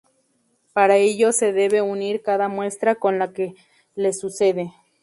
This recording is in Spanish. Para ello, se debe unir cada muestra con la que le sucede.